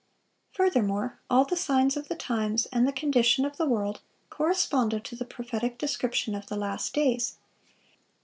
Furthermore, all the signs of the times and the condition of the world corresponded to the prophetic description of the last days.